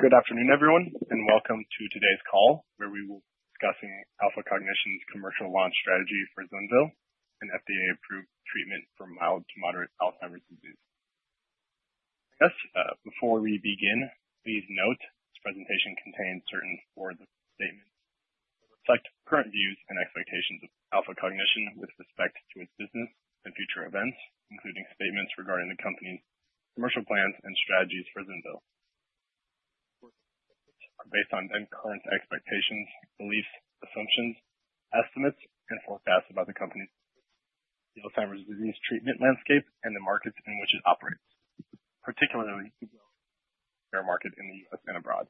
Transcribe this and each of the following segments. Good afternoon, everyone, and welcome to today's call where we will be discussing Alpha Cognition's commercial launch strategy for ZUNVEYL, an FDA-approved treatment for mild to moderate Alzheimer's disease. Before we begin, please note this presentation contains certain statements that reflect current views and expectations of Alpha Cognition with respect to its business and future events, including statements regarding the company's commercial plans and strategies for ZUNVEYL. These are based on current expectations, beliefs, assumptions, estimates, and forecasts about the company's Alzheimer's disease treatment landscape and the markets in which it operates, particularly the care market in the U.S. and abroad.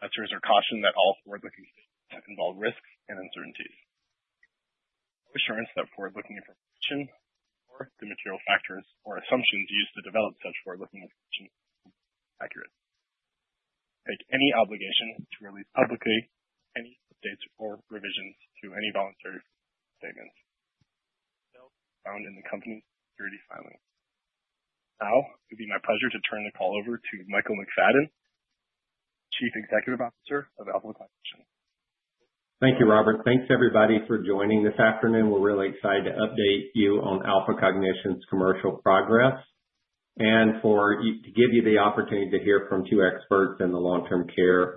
Investors are cautioned that all forward-looking statements involve risks and uncertainties. No assurance that forward-looking information or the material factors or assumptions used to develop such forward-looking information are accurate. We make no obligation to release publicly any updates or revisions to any voluntary statements found in the company's securities filings. Now, it would be my pleasure to turn the call over to Michael McFadden, Chief Executive Officer of Alpha Cognition. Thank you, Robert. Thanks, everybody, for joining this afternoon. We're really excited to update you on Alpha Cognition's commercial progress and to give you the opportunity to hear from two experts in the long-term care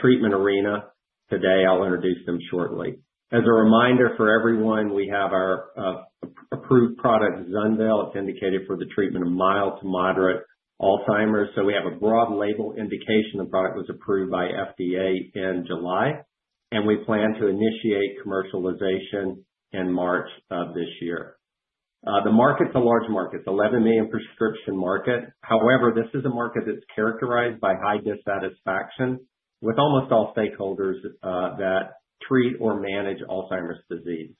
treatment arena today. I'll introduce them shortly. As a reminder for everyone, we have our approved product, ZUNVEYL. It's indicated for the treatment of mild to moderate Alzheimer's. So we have a broad label indication, the product was approved by FDA in July, and we plan to initiate commercialization in March of this year. The market's a large market, the 11 million prescription market. However, this is a market that's characterized by high dissatisfaction with almost all stakeholders that treat or manage Alzheimer's disease.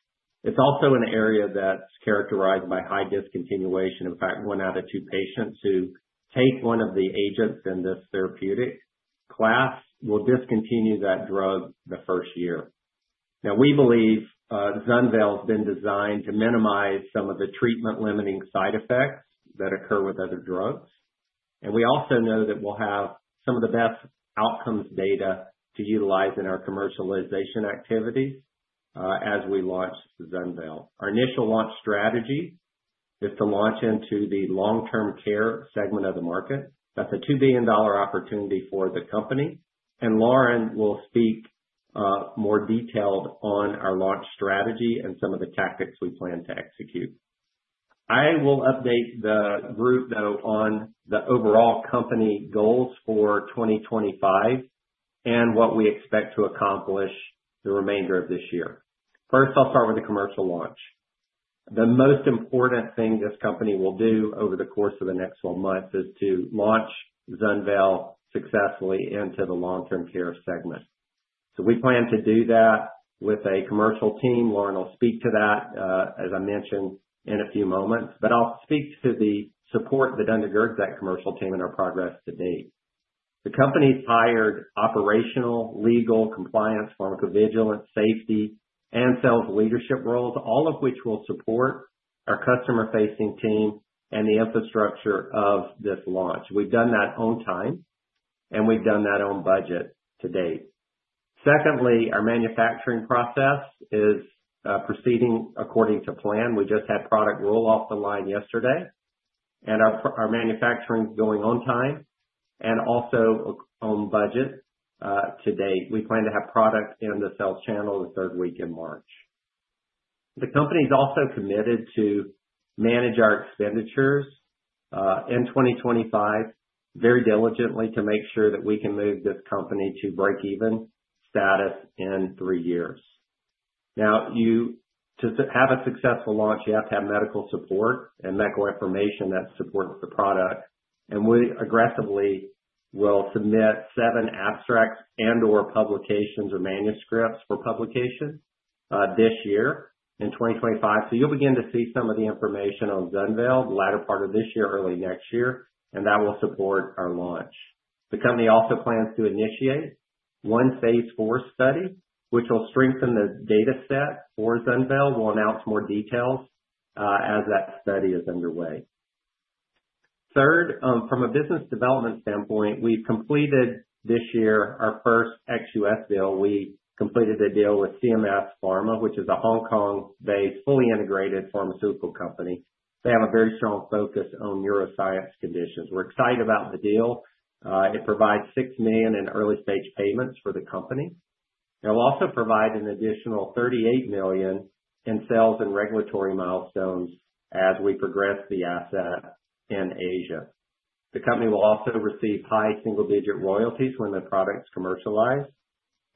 It's also an area that's characterized by high discontinuation. In fact, one out of two patients who take one of the agents in this therapeutic class will discontinue that drug the first year. Now, we believe ZUNVEYL has been designed to minimize some of the treatment-limiting side effects that occur with other drugs, and we also know that we'll have some of the best outcomes data to utilize in our commercialization activities as we launch ZUNVEYL. Our initial launch strategy is to launch into the long-term care segment of the market. That's a $2 billion opportunity for the company, and Lauren will speak more detailed on our launch strategy and some of the tactics we plan to execute. I will update the group, though, on the overall company goals for 2025 and what we expect to accomplish the remainder of this year. First, I'll start with the commercial launch. The most important thing this company will do over the course of the next 12 months is to launch ZUNVEYL successfully into the long-term care segment. So we plan to do that with a commercial team. Lauren will speak to that, as I mentioned, in a few moments. But I'll speak to the support that undergirds that commercial team and our progress to date. The company's hired operational, legal, compliance, pharmacovigilance, safety, and sales leadership roles, all of which will support our customer-facing team and the infrastructure of this launch. We've done that on time, and we've done that on budget to date. Secondly, our manufacturing process is proceeding according to plan. We just had product roll off the line yesterday, and our manufacturing is going on time and also on budget to date. We plan to have product in the sales channel the third week in March. The company's also committed to manage our expenditures in 2025 very diligently to make sure that we can move this company to break-even status in three years. Now, to have a successful launch, you have to have medical support and medical information that supports the product. And we aggressively will submit seven abstracts and/or publications or manuscripts for publication this year in 2025. So you'll begin to see some of the information on ZUNVEYL the latter part of this year, early next year, and that will support our launch. The company also plans to initiate one phase IV study, which will strengthen the dataset for ZUNVEYL. We'll announce more details as that study is underway. Third, from a business development standpoint, we've completed this year our first ex-U.S. deal. We completed a deal with CMS Pharma, which is a Hong Kong-based, fully integrated pharmaceutical company. They have a very strong focus on neuroscience conditions. We're excited about the deal. It provides $6 million in early-stage payments for the company. It will also provide an additional $38 million in sales and regulatory milestones as we progress the asset in Asia. The company will also receive high single-digit royalties when the product's commercialized.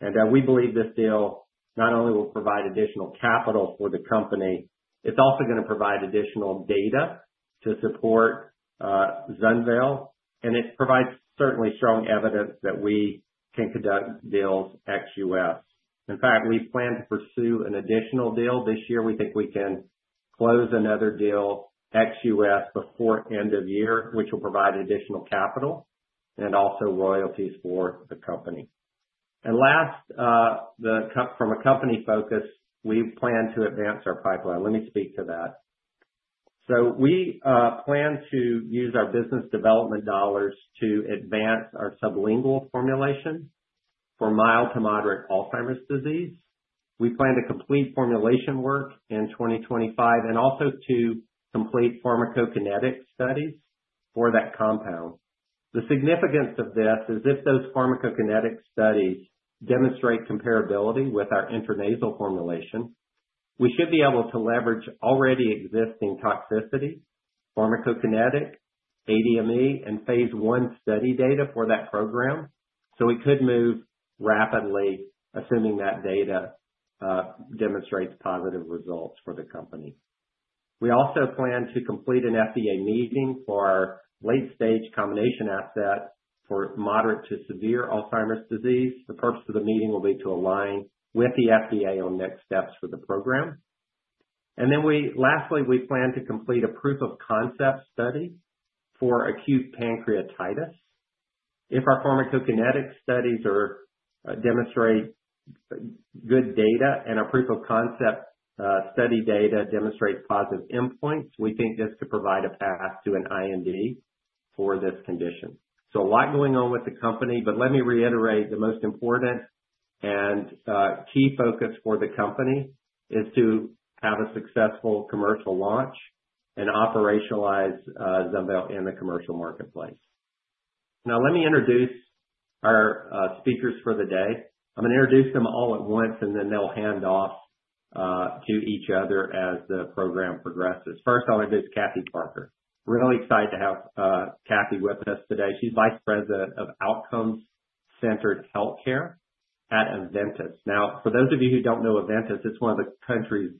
And we believe this deal not only will provide additional capital for the company, it's also going to provide additional data to support ZUNVEYL. And it provides certainly strong evidence that we can conduct deals ex-U.S.. In fact, we plan to pursue an additional deal this year. We think we can close another deal ex-U.S. before end of year, which will provide additional capital and also royalties for the company. And last, from a company focus, we plan to advance our pipeline. Let me speak to that. So we plan to use our business development dollars to advance our sublingual formulation for mild to moderate Alzheimer's disease. We plan to complete formulation work in 2025 and also to complete pharmacokinetic studies for that compound. The significance of this is if those pharmacokinetic studies demonstrate comparability with our intranasal formulation, we should be able to leverage already existing toxicity, pharmacokinetic, ADME, and phase I study data for that program. So we could move rapidly, assuming that data demonstrates positive results for the company. We also plan to complete an FDA meeting for our late-stage combination asset for moderate to severe Alzheimer's disease. The purpose of the meeting will be to align with the FDA on next steps for the program. And then lastly, we plan to complete a proof of concept study for acute pancreatitis. If our pharmacokinetic studies demonstrate good data and our proof of concept study data demonstrates positive endpoints, we think this could provide a path to an IND for this condition. So a lot going on with the company. But let me reiterate, the most important and key focus for the company is to have a successful commercial launch and operationalize ZUNVEYL in the commercial marketplace. Now, let me introduce our speakers for the day. I'm going to introduce them all at once, and then they'll hand off to each other as the program progresses. First, I'll introduce Cathy Parker. Really excited to have Cathy with us today. She's Vice President of Outcomes Centered Healthcare at Eventus. Now, for those of you who don't know, Eventus, it's one of the country's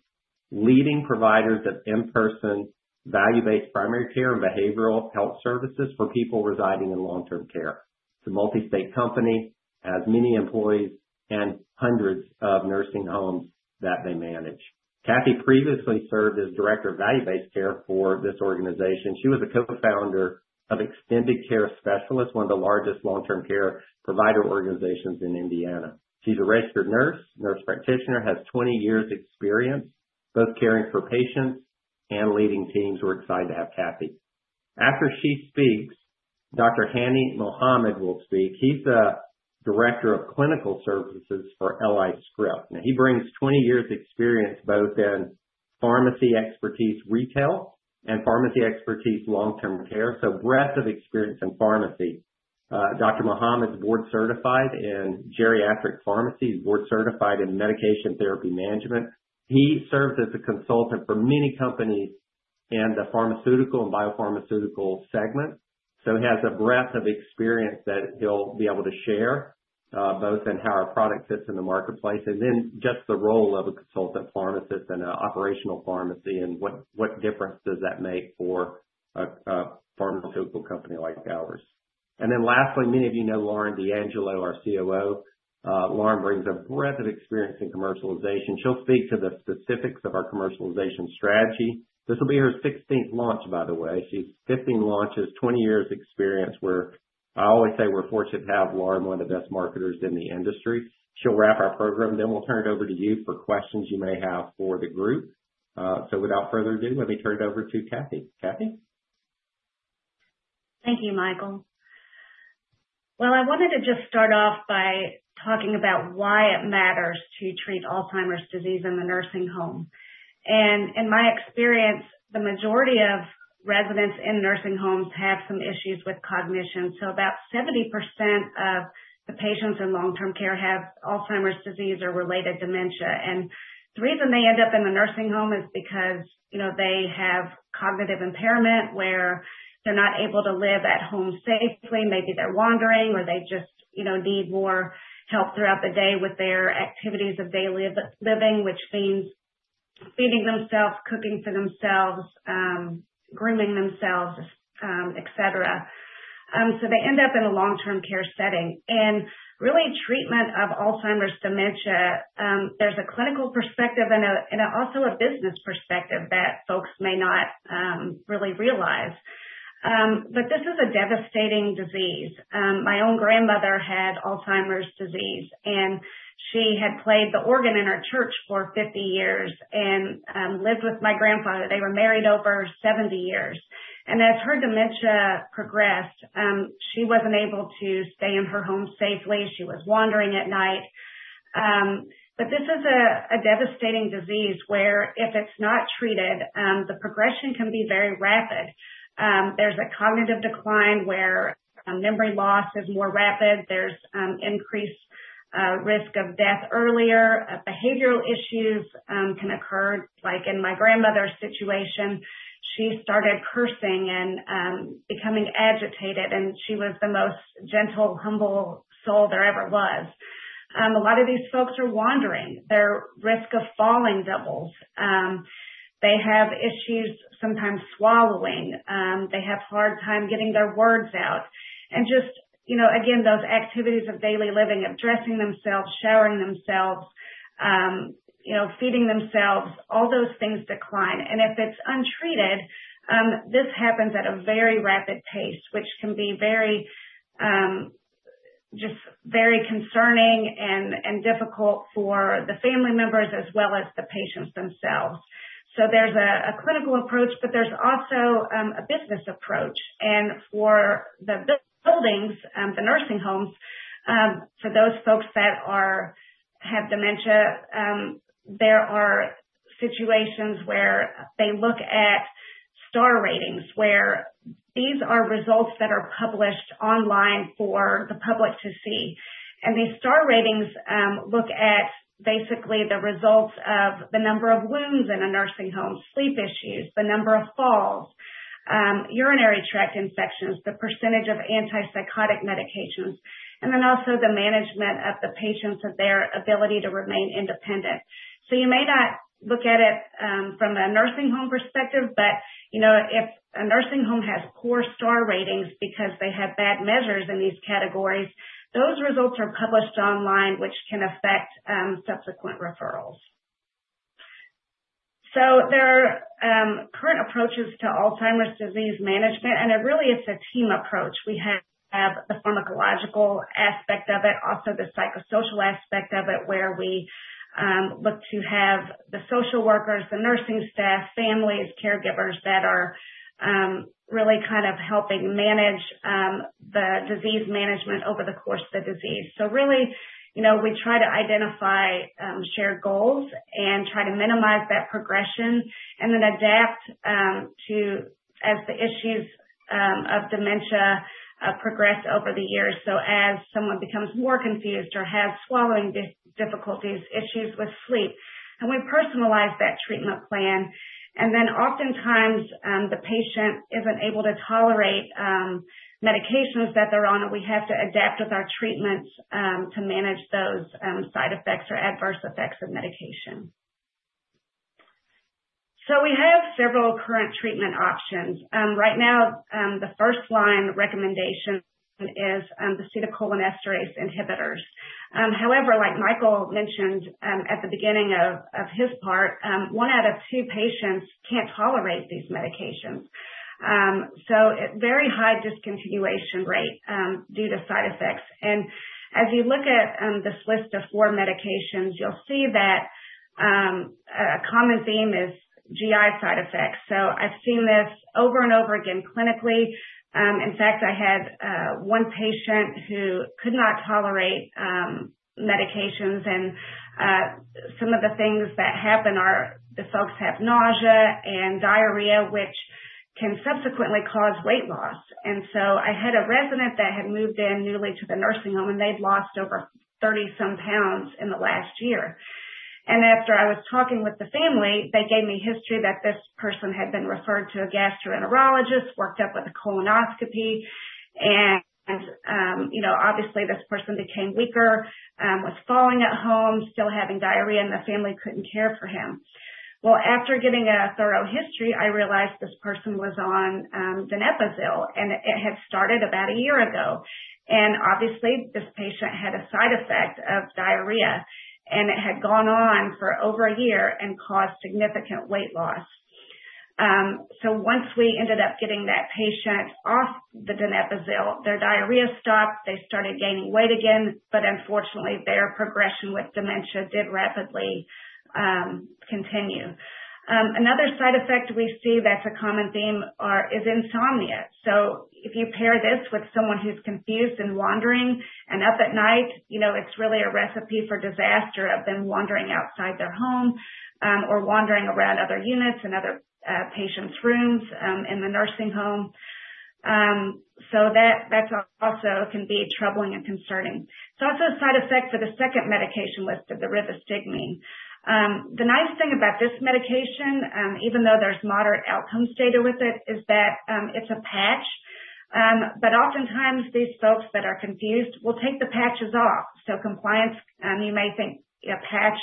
leading providers of in-person value-based primary care and behavioral health services for people residing in long-term care. It's a multi-state company that has many employees and hundreds of nursing homes that they manage. Cathy previously served as Director of Value-Based Care for this organization. She was a co-founder of Extended Care Specialists, one of the largest long-term care provider organizations in Indiana. She's a registered nurse, nurse practitioner, has 20 years' experience both caring for patients and leading teams. We're excited to have Cathy. After she speaks, Dr. Hany Mohamed will speak. He's the Director of Clinical Services for LI Script. Now, he brings 20 years' experience both in pharmacy expertise retail and pharmacy expertise long-term care. So, breadth of experience in pharmacy. Dr. Mohamed's board-certified in geriatric pharmacy. He's board-certified in medication therapy management. He serves as a consultant for many companies in the pharmaceutical and biopharmaceutical segment. So he has a breadth of experience that he'll be able to share both in how our product fits in the marketplace, and then just the role of a consultant pharmacist in an operational pharmacy and what difference does that make for a pharmaceutical company like ours. And then lastly, many of you know Lauren D'Angelo, our COO. Lauren brings a breadth of experience in commercialization. She'll speak to the specifics of our commercialization strategy. This will be her 16th launch, by the way. She's 15 launches, 20 years' experience. I always say we're fortunate to have Lauren, one of the best marketers in the industry. She'll wrap our program. Then we'll turn it over to you for questions you may have for the group. So without further ado, let me turn it over to Cathy. Cathy? Thank you, Michael. I wanted to just start off by talking about why it matters to treat Alzheimer's disease in the nursing home. In my experience, the majority of residents in nursing homes have some issues with cognition. About 70% of the patients in long-term care have Alzheimer's disease or related dementia. The reason they end up in the nursing home is because they have cognitive impairment where they're not able to live at home safely. Maybe they're wandering or they just need more help throughout the day with their activities of daily living, which means feeding themselves, cooking for themselves, grooming themselves, etc. They end up in a long-term care setting. Really, treatment of Alzheimer's dementia. There's a clinical perspective and also a business perspective that folks may not really realize. This is a devastating disease. My own grandmother had Alzheimer's disease, and she had played the organ in our church for 50 years and lived with my grandfather. They were married over 70 years, and as her dementia progressed, she wasn't able to stay in her home safely. She was wandering at night, but this is a devastating disease where if it's not treated, the progression can be very rapid. There's a cognitive decline where memory loss is more rapid. There's increased risk of death earlier. Behavioral issues can occur, like in my grandmother's situation. She started cursing and becoming agitated, and she was the most gentle, humble soul there ever was. A lot of these folks are wandering. Their risk of falling doubles. They have issues sometimes swallowing. They have a hard time getting their words out. And just, again, those activities of daily living, of dressing themselves, showering themselves, feeding themselves, all those things decline. And if it's untreated, this happens at a very rapid pace, which can be just very concerning and difficult for the family members as well as the patients themselves. So there's a clinical approach, but there's also a business approach. And for the buildings, the nursing homes, for those folks that have dementia, there are situations where they look at star ratings, where these are results that are published online for the public to see. And these star ratings look at basically the results of the number of wounds in a nursing home, sleep issues, the number of falls, urinary tract infections, the percentage of antipsychotic medications, and then also the management of the patients and their ability to remain independent. So you may not look at it from a nursing home perspective, but if a nursing home has poor star ratings because they have bad measures in these categories, those results are published online, which can affect subsequent referrals. So there are current approaches to Alzheimer's disease management, and it really is a team approach. We have the pharmacological aspect of it, also the psychosocial aspect of it, where we look to have the social workers, the nursing staff, families, caregivers that are really kind of helping manage the disease management over the course of the disease. So really, we try to identify shared goals and try to minimize that progression and then adapt as the issues of dementia progress over the years. So as someone becomes more confused or has swallowing difficulties, issues with sleep, and we personalize that treatment plan. And then oftentimes, the patient isn't able to tolerate medications that they're on, and we have to adapt with our treatments to manage those side effects or adverse effects of medication. So we have several current treatment options. Right now, the first line recommendation is the acetylcholinesterase inhibitors. However, like Michael mentioned at the beginning of his part, one out of two patients can't tolerate these medications. So very high discontinuation rate due to side effects. And as you look at this list of four medications, you'll see that a common theme is GI side effects. So I've seen this over and over again clinically. In fact, I had one patient who could not tolerate medications. And some of the things that happen are the folks have nausea and diarrhea, which can subsequently cause weight loss. And so I had a resident that had moved in newly to the nursing home, and they'd lost over 30-some pounds in the last year. And after I was talking with the family, they gave me history that this person had been referred to a gastroenterologist, worked up with a colonoscopy. And obviously, this person became weaker, was falling at home, still having diarrhea, and the family couldn't care for him. Well, after getting a thorough history, I realized this person was on donepezil, and it had started about a year ago. And obviously, this patient had a side effect of diarrhea, and it had gone on for over a year and caused significant weight loss. So once we ended up getting that patient off the donepezil, their diarrhea stopped. They started gaining weight again, but unfortunately, their progression with dementia did rapidly continue. Another side effect we see that's a common theme is insomnia. So if you pair this with someone who's confused and wandering and up at night, it's really a recipe for disaster of them wandering outside their home or wandering around other units and other patients' rooms in the nursing home. So that also can be troubling and concerning. It's also a side effect for the second medication listed, the rivastigmine. The nice thing about this medication, even though there's moderate outcomes data with it, is that it's a patch. But oftentimes, these folks that are confused will take the patches off. So compliance, you may think a patch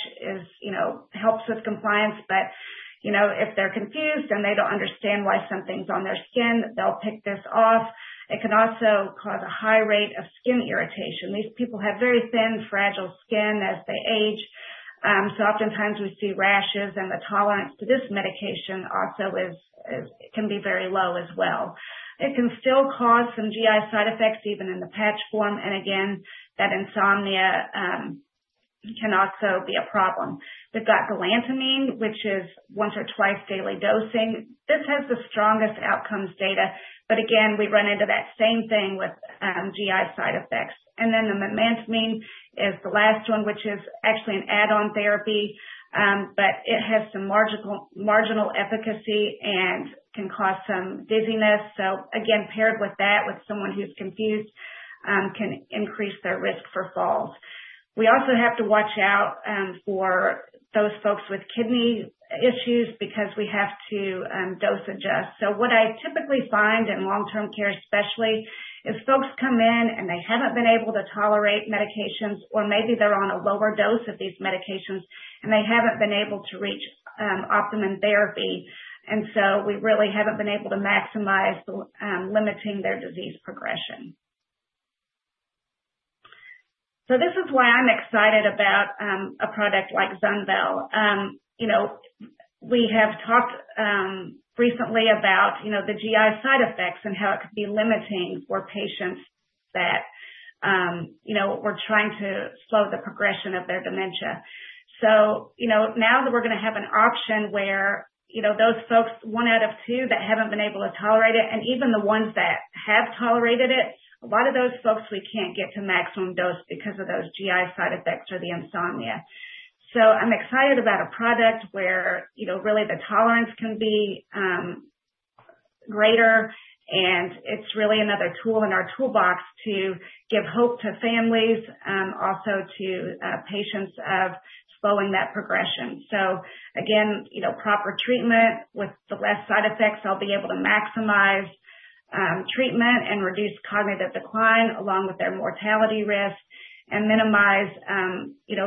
helps with compliance, but if they're confused and they don't understand why something's on their skin, they'll pick this off. It can also cause a high rate of skin irritation. These people have very thin, fragile skin as they age. So oftentimes, we see rashes, and the tolerance to this medication also can be very low as well. It can still cause some GI side effects even in the patch form. And again, that insomnia can also be a problem. We've got galantamine, which is once or twice daily dosing. This has the strongest outcomes data. But again, we run into that same thing with GI side effects. And then the memantine is the last one, which is actually an add-on therapy, but it has some marginal efficacy and can cause some dizziness. So again, paired with that, with someone who's confused, can increase their risk for falls. We also have to watch out for those folks with kidney issues because we have to dose adjust. So what I typically find in long-term care, especially, is folks come in and they haven't been able to tolerate medications, or maybe they're on a lower dose of these medications, and they haven't been able to reach optimum therapy. And so we really haven't been able to maximize limiting their disease progression. So this is why I'm excited about a product like ZUNVEYL. We have talked recently about the GI side effects and how it could be limiting for patients that we're trying to slow the progression of their dementia. So now that we're going to have an option where those folks, one out of two that haven't been able to tolerate it, and even the ones that have tolerated it, a lot of those folks, we can't get to maximum dose because of those GI side effects or the insomnia. So I'm excited about a product where really the tolerance can be greater. And it's really another tool in our toolbox to give hope to families, also to patients of slowing that progression. So again, proper treatment with the less side effects, I'll be able to maximize treatment and reduce cognitive decline along with their mortality risk and minimize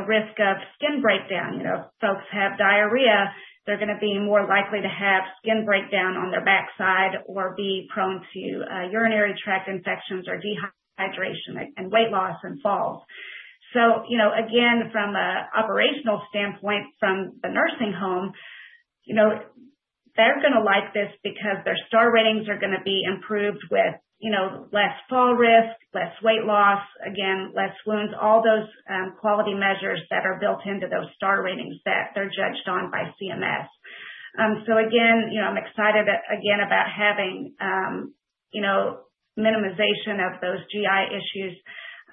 risk of skin breakdown. If folks have diarrhea, they're going to be more likely to have skin breakdown on their backside or be prone to urinary tract infections or dehydration and weight loss and falls. So again, from an operational standpoint, from the nursing home, they're going to like this because their star ratings are going to be improved with less fall risk, less weight loss, again, less wounds, all those quality measures that are built into those star ratings that they're judged on by CMS. So again, I'm excited again about having minimization of those GI issues.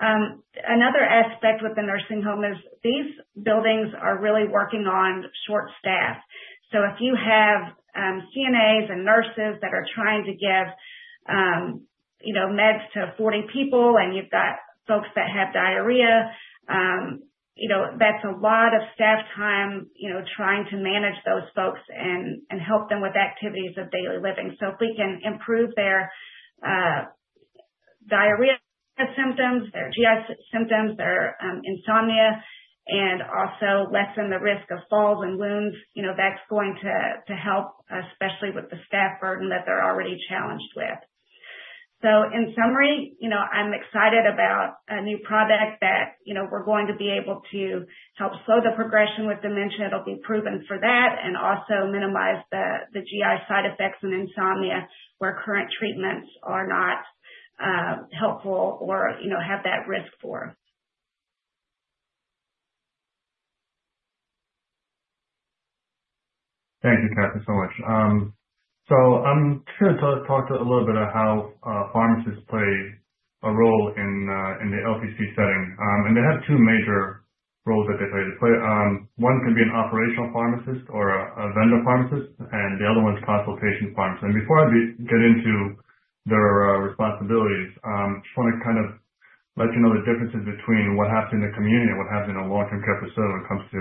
Another aspect with the nursing home is these buildings are really working short-staffed. So if you have CNAs and nurses that are trying to give meds to 40 people and you've got folks that have diarrhea, that's a lot of staff time trying to manage those folks and help them with activities of daily living. So if we can improve their diarrhea symptoms, their GI symptoms, their insomnia, and also lessen the risk of falls and wounds, that's going to help, especially with the staff burden that they're already challenged with. So in summary, I'm excited about a new product that we're going to be able to help slow the progression with dementia. It'll be proven for that and also minimize the GI side effects and insomnia where current treatments are not helpful or have that risk for. Thank you, Catherine, so much. So I'm curious to talk a little bit about how pharmacists play a role in the LTC setting. And they have two major roles that they play. One can be an operational pharmacist or a vendor pharmacist, and the other one is consultant pharmacist. And before I get into their responsibilities, I just want to kind of let you know the differences between what happens in the community and what happens in a long-term care facility when it comes to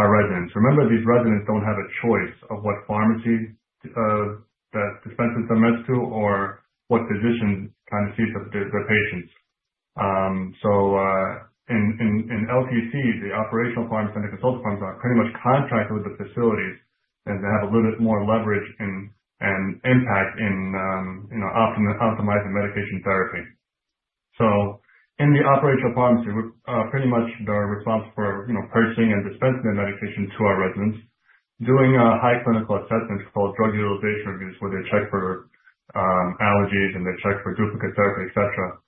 our residents. Remember, these residents don't have a choice of what pharmacy that dispenses their meds to or what physician kind of sees their patients. So in LTC, the operational pharmacists and the consultant pharmacists are pretty much contracted with the facilities, and they have a little bit more leverage and impact in optimizing medication therapy. In the operational pharmacy, pretty much they're responsible for purchasing and dispensing their medication to our residents, doing high clinical assessments called drug utilization reviews, where they check for allergies and they check for duplicate therapy, etc.,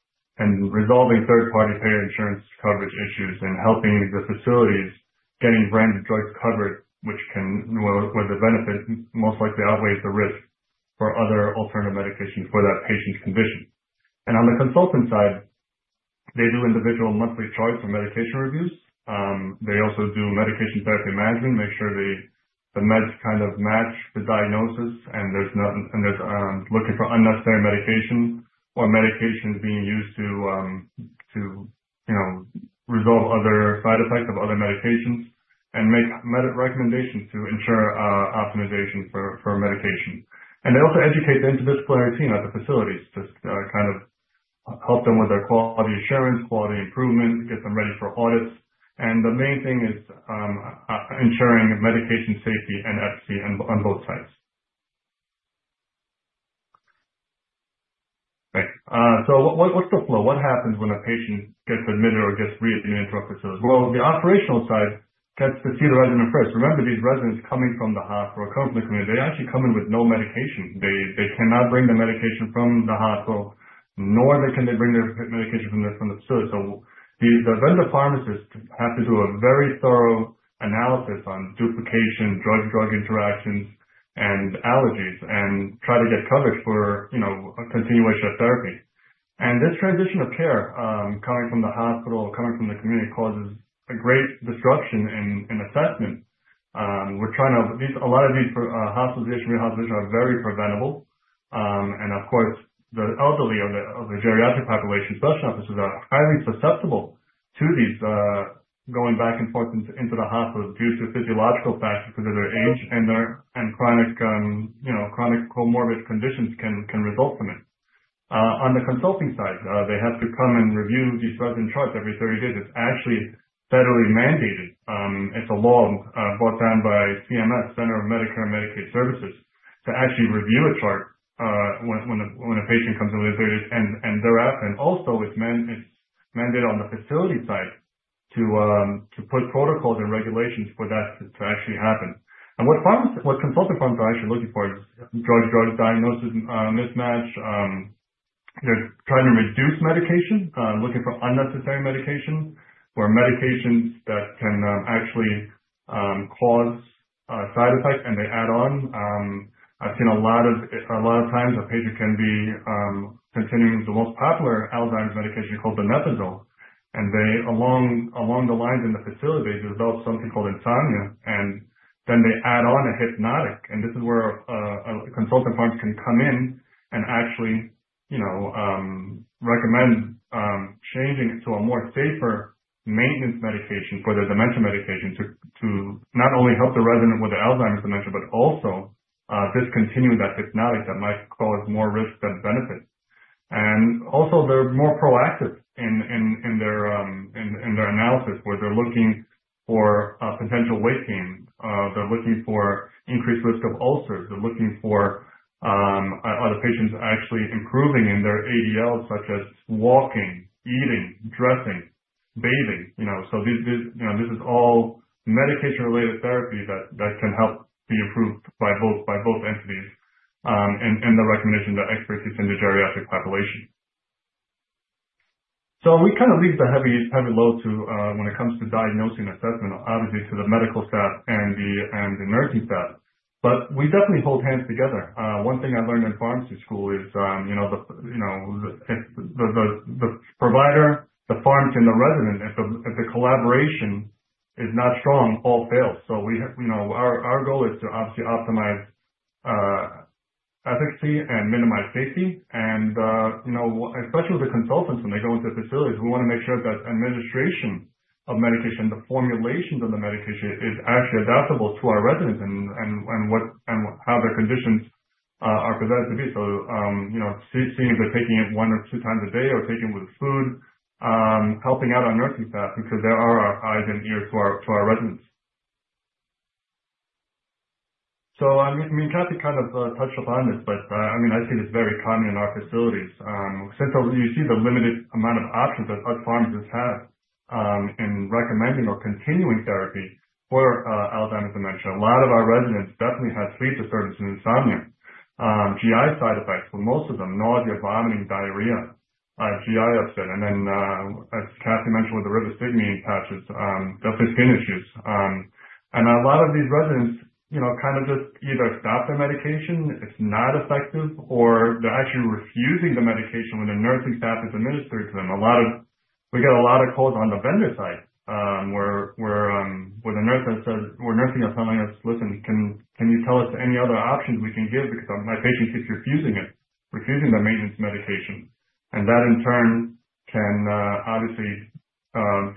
and resolving third-party payer insurance coverage issues and helping the facilities getting branded drugs covered, which can, where the benefit most likely outweighs the risk for other alternative medications for that patient's condition. On the consultant side, they do individual monthly charts for medication reviews. They also do medication therapy management, make sure the meds kind of match the diagnosis, and they're looking for unnecessary medication or medications being used to resolve other side effects of other medications and make recommendations to ensure optimization for medication. And they also educate the interdisciplinary team at the facilities to kind of help them with their quality assurance, quality improvement, get them ready for audits. And the main thing is ensuring medication safety and efficacy on both sides. Okay. So what's the flow? What happens when a patient gets admitted or gets readmitted into our facility? Well, the operational side gets to see the resident first. Remember, these residents coming from the hospital or clinical community, they actually come in with no medication. They cannot bring the medication from the hospital, nor can they bring their medication from the facility. So the vendor pharmacists have to do a very thorough analysis on duplication, drug-to-drug interactions, and allergies, and try to get coverage for a continuation of therapy. And this transition of care coming from the hospital, coming from the community causes a great disruption in assessment. We're trying to a lot of these hospitalizations, rehospitalizations are very preventable. Of course, the elderly of the geriatric population, specialized officers are highly susceptible to these going back and forth into the hospital due to physiological factors because of their age and chronic comorbid conditions can result from it. On the consulting side, they have to come and review these resident charts every 30 days. It's actually federally mandated. It's a law brought down by CMS, Centers for Medicare & Medicaid Services, to actually review a chart when a patient comes in with 30 days. And thereafter, and also, it's mandated on the facility side to put protocols and regulations for that to actually happen. And what consultant pharmacists are actually looking for is drug-diagnosis mismatch. They're trying to reduce medication, looking for unnecessary medications or medications that can actually cause side effects, and they add on. I've seen a lot of times a patient can be continuing the most popular Alzheimer's medication called donepezil. And along the lines in the facility, they develop something called insomnia, and then they add on a hypnotic. And this is where consultant pharmacists can come in and actually recommend changing it to a more safer maintenance medication for their dementia medication to not only help the resident with the Alzheimer's dementia, but also discontinue that hypnotic that might cause more risk than benefit. And also, they're more proactive in their analysis where they're looking for potential weight gain. They're looking for increased risk of ulcers. They're looking for other patients actually improving in their ADLs, such as walking, eating, dressing, bathing. So this is all medication-related therapy that can help be improved by both entities and the recommendation of the expertise in the geriatric population. So we kind of leave the heavy load when it comes to diagnosing and assessment, obviously, to the medical staff and the nursing staff. But we definitely hold hands together. One thing I learned in pharmacy school is the provider, the pharmacy, and the resident, if the collaboration is not strong, all fails. So our goal is to obviously optimize efficacy and minimize safety. And especially with the consultants, when they go into facilities, we want to make sure that administration of medication, the formulations of the medication is actually adaptable to our residents and how their conditions are presented to be. So seeing if they're taking it one or two times a day or taking it with food, helping out our nursing staff because there are our eyes and ears to our residents. I mean, Cathy kind of touched upon this, but I mean, I see this very common in our facilities. You see the limited amount of options that us pharmacists have in recommending or continuing therapy for Alzheimer's dementia. A lot of our residents definitely have sleep disturbances and insomnia, GI side effects for most of them, nausea, vomiting, diarrhea, GI upset. And then, as Cathy mentioned with the rivastigmine patches, they'll face skin issues. And a lot of these residents kind of just either stop their medication. It's not effective, or they're actually refusing the medication when the nursing staff is administering to them. We get a lot of calls on the vendor side where the nurse has said, or nursing is telling us, "Listen, can you tell us any other options we can give because my patient keeps refusing it, refusing the maintenance medication?" And that, in turn, can obviously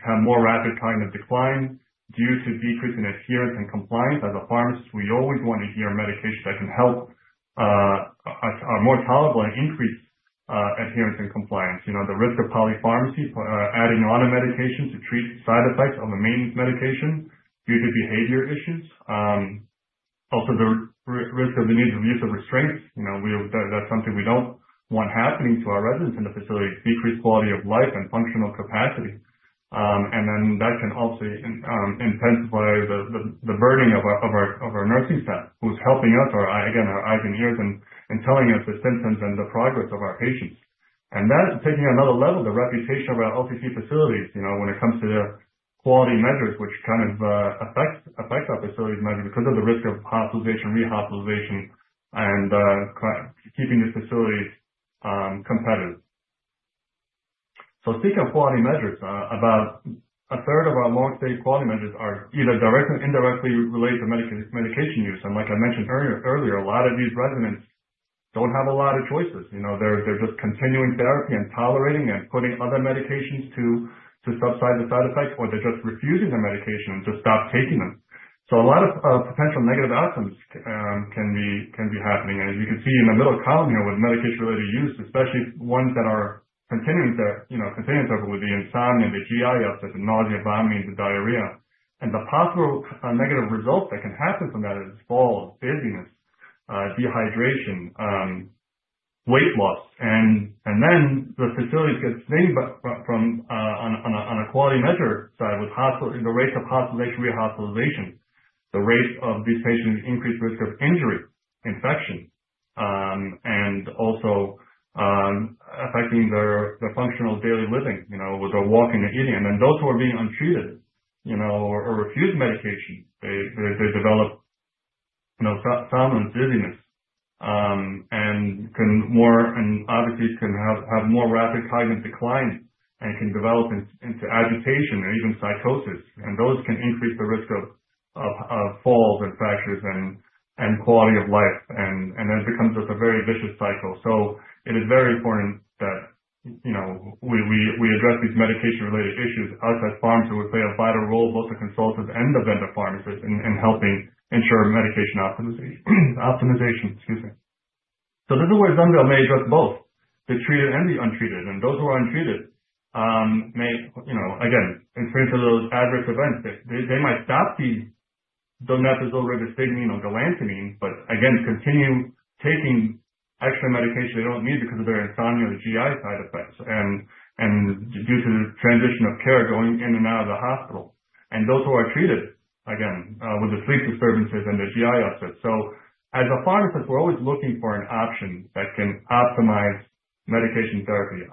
have more rapid kind of decline due to decrease in adherence and compliance. As a pharmacist, we always want to hear medication that can help, are more tolerable and increase adherence and compliance. The risk of polypharmacy, adding on a medication to treat side effects of the maintenance medication due to behavior issues. Also, the risk of the need to use restraints. That's something we don't want happening to our residents in the facility. Decreased quality of life and functional capacity. And then that can also intensify the burden of our nursing staff who's helping us, again, our eyes and ears and telling us the symptoms and the progress of our patients. And that, taking it to another level, the reputation of our LTC facilities when it comes to their quality measures, which kind of affects our facilities measure because of the risk of hospitalization, rehospitalization, and keeping the facilities competitive. So speaking of quality measures, about a third of our long-stay quality measures are either directly or indirectly related to medication use. And like I mentioned earlier, a lot of these residents don't have a lot of choices. They're just continuing therapy and tolerating and putting other medications to subside the side effects, or they're just refusing the medication and just stop taking them. So a lot of potential negative outcomes can be happening. As you can see in the middle column here with medication-related use, especially ones that are continuing therapy with the insomnia, the GI upset, the nausea, vomiting, the diarrhea. The possible negative results that can happen from that is falls, dizziness, dehydration, weight loss. Then the facilities get dinged on a quality measure side with the rates of hospitalization, rehospitalization, the rates of these patients, increased risk of injury, infection, and also affecting their functional daily living with their walking and eating. Then those who are being untreated or refuse medication, they develop somnolence, dizziness, and obviously can have more rapid cognitive decline and can develop into agitation or even psychosis. Those can increase the risk of falls and fractures and quality of life. That becomes just a very vicious cycle. So it is very important that we address these medication-related issues. Us as pharmacists will play a vital role, both the consultants and the vendor pharmacists in helping ensure medication optimization. Excuse me. So this is where ZUNVEYL may address both the treated and the untreated. And those who are untreated may, again, experience those adverse events. They might stop the donepezil, rivastigmine, or galantamine, but again, continue taking extra medication they don't need because of their insomnia or GI side effects and due to the transition of care going in and out of the hospital. And those who are treated, again, with the sleep disturbances and the GI upset. So as a pharmacist, we're always looking for an option that can optimize medication therapy,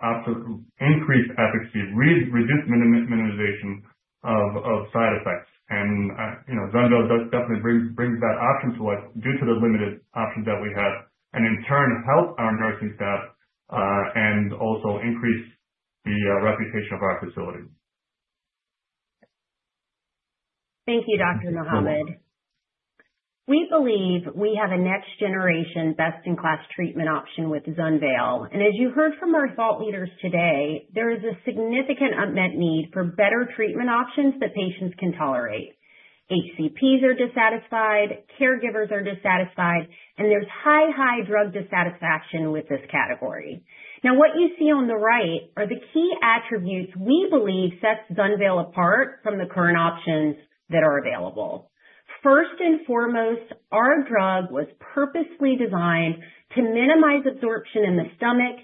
increase efficacy, reduce minimization of side effects. ZUNVEYL definitely brings that option to us due to the limited options that we have and in turn help our nursing staff and also increase the reputation of our facility. Thank you, Dr. Mohamed. We believe we have a next-generation best-in-class treatment option with ZUNVEYL. And as you heard from our thought leaders today, there is a significant unmet need for better treatment options that patients can tolerate. HCPs are dissatisfied, caregivers are dissatisfied, and there's high, high drug dissatisfaction with this category. Now, what you see on the right are the key attributes we believe sets ZUNVEYL apart from the current options that are available. First and foremost, our drug was purposely designed to minimize absorption in the stomach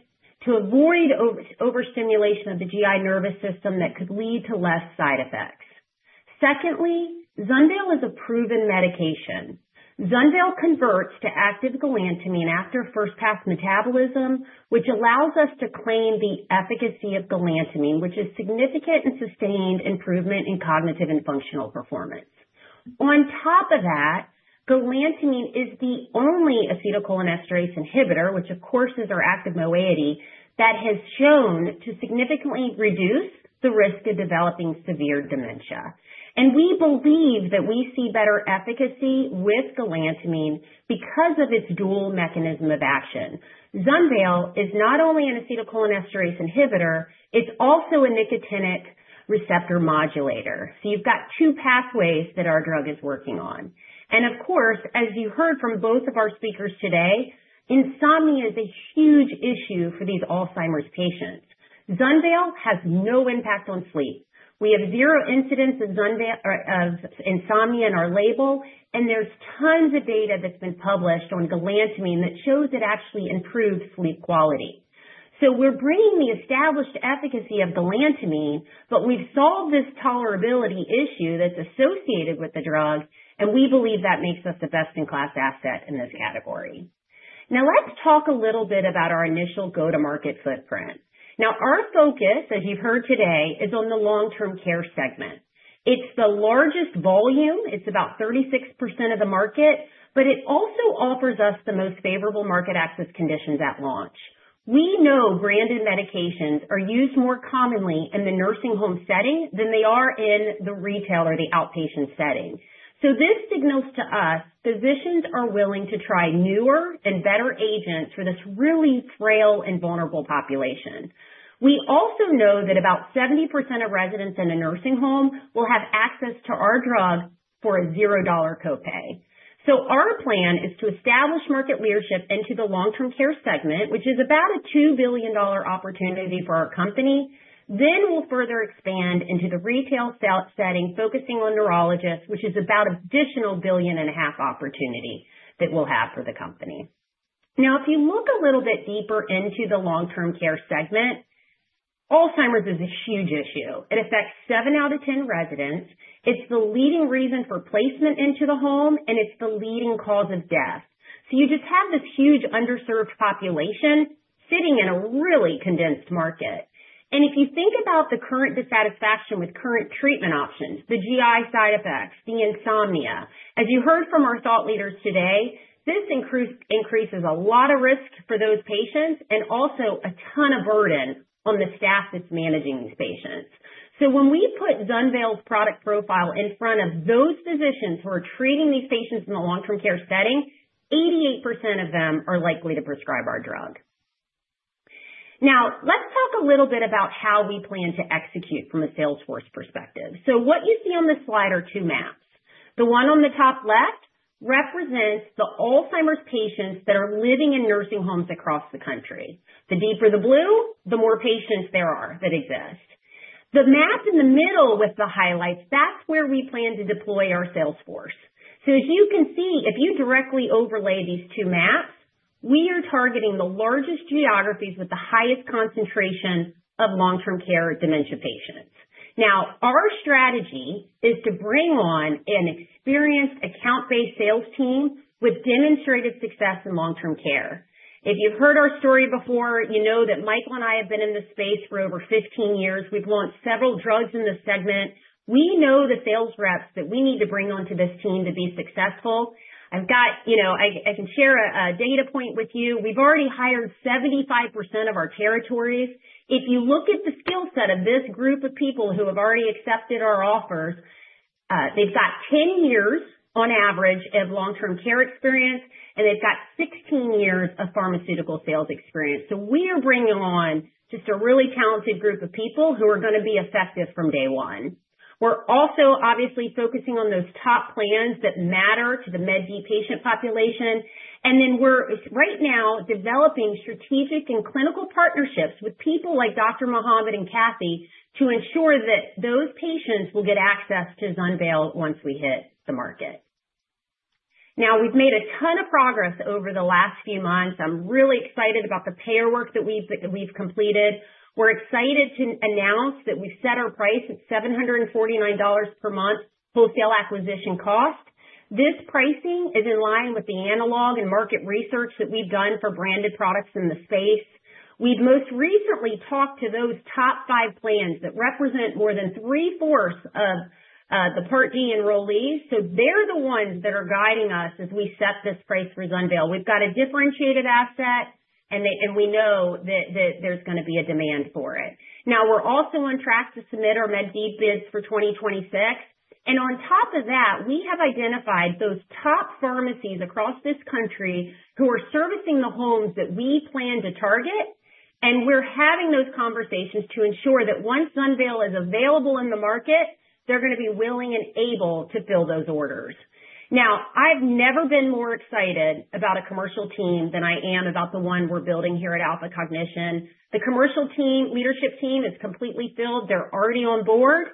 to avoid overstimulation of the GI nervous system that could lead to less side effects. Secondly, ZUNVEYL is a proven medication. ZUNVEYL converts to active galantamine after first-pass metabolism, which allows us to claim the efficacy of galantamine, which is significant and sustained improvement in cognitive and functional performance. On top of that, galantamine is the only acetylcholinesterase inhibitor, which, of course, is our active moiety, that has shown to significantly reduce the risk of developing severe dementia. And we believe that we see better efficacy with galantamine because of its dual mechanism of action. ZUNVEYL is not only an acetylcholinesterase inhibitor, it's also a nicotinic receptor modulator. So you've got two pathways that our drug is working on. And of course, as you heard from both of our speakers today, insomnia is a huge issue for these Alzheimer's patients. ZUNVEYL has no impact on sleep. We have zero incidence of insomnia in our label, and there's tons of data that's been published on galantamine that shows it actually improves sleep quality. We're bringing the established efficacy of galantamine, but we've solved this tolerability issue that's associated with the drug, and we believe that makes us the best-in-class asset in this category. Now, let's talk a little bit about our initial go-to-market footprint. Now, our focus, as you've heard today, is on the long-term care segment. It's the largest volume. It's about 36% of the market, but it also offers us the most favorable market access conditions at launch. We know branded medications are used more commonly in the nursing home setting than they are in the retail or the outpatient setting. This signals to us. Physicians are willing to try newer and better agents for this really frail and vulnerable population. We also know that about 70% of residents in a nursing home will have access to our drug for a $0 copay. Our plan is to establish market leadership into the long-term care segment, which is about a $2 billion opportunity for our company. Then we'll further expand into the retail setting, focusing on neurologists, which is about an additional $1.5 billion opportunity that we'll have for the company. Now, if you look a little bit deeper into the long-term care segment, Alzheimer's is a huge issue. It affects 7 out of 10 residents. It's the leading reason for placement into the home, and it's the leading cause of death. You just have this huge underserved population sitting in a really condensed market. And if you think about the current dissatisfaction with current treatment options, the GI side effects, the insomnia, as you heard from our thought leaders today, this increases a lot of risk for those patients and also a ton of burden on the staff that's managing these patients. So when we put ZUNVEYL's product profile in front of those physicians who are treating these patients in the long-term care setting, 88% of them are likely to prescribe our drug. Now, let's talk a little bit about how we plan to execute from a sales force perspective. So what you see on the slide are two maps. The one on the top left represents the Alzheimer's patients that are living in nursing homes across the country. The deeper the blue, the more patients there are that exist. The map in the middle with the highlights, that's where we plan to deploy our sales force. So as you can see, if you directly overlay these two maps, we are targeting the largest geographies with the highest concentration of long-term care dementia patients. Now, our strategy is to bring on an experienced account-based sales team with demonstrated success in long-term care. If you've heard our story before, you know that Michael and I have been in this space for over 15 years. We've launched several drugs in this segment. We know the sales reps that we need to bring onto this team to be successful. I can share a data point with you. We've already hired 75% of our territories. If you look at the skill set of this group of people who have already accepted our offers, they've got 10 years on average of long-term care experience, and they've got 16 years of pharmaceutical sales experience. So we are bringing on just a really talented group of people who are going to be effective from day one. We're also obviously focusing on those top plans that matter to the Med D patient population. And then we're right now developing strategic and clinical partnerships with people like Dr. Mohamed and Cathy to ensure that those patients will get access to ZUNVEYL once we hit the market. Now, we've made a ton of progress over the last few months. I'm really excited about the payer work that we've completed. We're excited to announce that we've set our price at $749 per month wholesale acquisition cost. This pricing is in line with the analog and market research that we've done for branded products in the space. We've most recently talked to those top five plans that represent more than three-fourths of the Part D enrollees. So they're the ones that are guiding us as we set this price for ZUNVEYL. We've got a differentiated asset, and we know that there's going to be a demand for it. Now, we're also on track to submit our Med D bids for 2026. And on top of that, we have identified those top pharmacies across this country who are servicing the homes that we plan to target. And we're having those conversations to ensure that once ZUNVEYL is available in the market, they're going to be willing and able to fill those orders. Now, I've never been more excited about a commercial team than I am about the one we're building here at Alpha Cognition. The commercial leadership team is completely filled. They're already on board.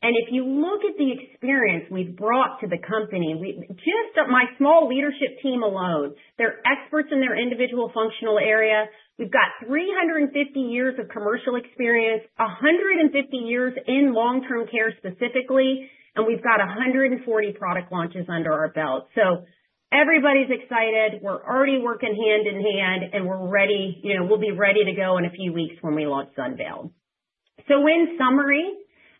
And if you look at the experience we've brought to the company, just my small leadership team alone, they're experts in their individual functional area. We've got 350 years of commercial experience, 150 years in long-term care specifically, and we've got 140 product launches under our belt. So everybody's excited. We're already working hand in hand, and we'll be ready to go in a few weeks when we launch ZUNVEYL. So in summary,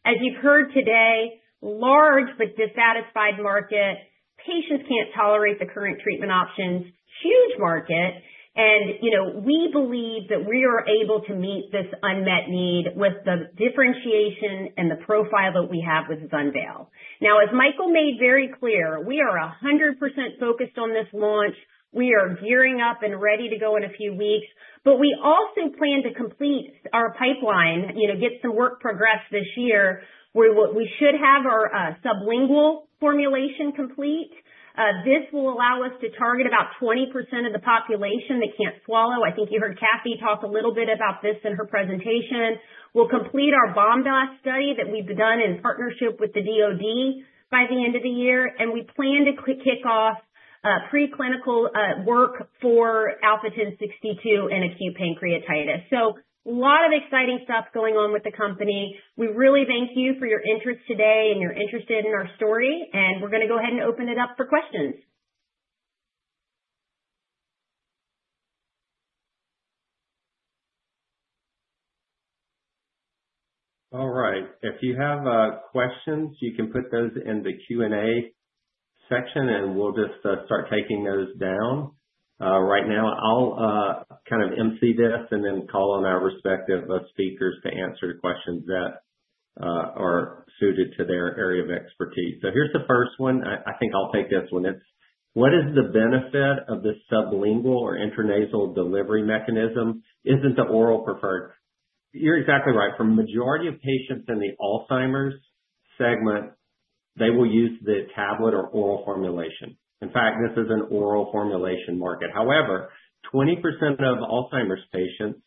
as you've heard today, large but dissatisfied market, patients can't tolerate the current treatment options, huge market. And we believe that we are able to meet this unmet need with the differentiation and the profile that we have with ZUNVEYL. Now, as Michael made very clear, we are 100% focused on this launch. We are gearing up and ready to go in a few weeks. But we also plan to complete our pipeline, get some work progressed this year where we should have our sublingual formulation complete. This will allow us to target about 20% of the population that can't swallow. I think you heard Cathy talk a little bit about this in her presentation. We'll complete our Bomb Blast Study that we've done in partnership with the DOD by the end of the year. And we plan to kick off preclinical work for Alpha-1062 and acute pancreatitis. So a lot of exciting stuff going on with the company. We really thank you for your interest today and you're interested in our story. And we're going to go ahead and open it up for questions. All right. If you have questions, you can put those in the Q&A section, and we'll just start taking those down. Right now, I'll kind of emcee this and then call on our respective speakers to answer questions that are suited to their area of expertise. So here's the first one. I think I'll take this one. It's, what is the benefit of the sublingual or intranasal delivery mechanism? Isn't the oral preferred? You're exactly right. For the majority of patients in the Alzheimer's segment, they will use the tablet or oral formulation. In fact, this is an oral formulation market. However, 20% of Alzheimer's patients